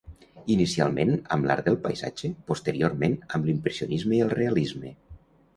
Inicialment amb l'art del paisatge, posteriorment amb l'impressionisme i el realisme.